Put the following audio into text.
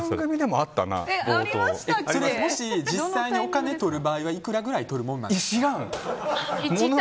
もし実際にお金とる場合はいくらとるものなんですか？